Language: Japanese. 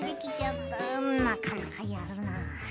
うんなかなかやるなあ。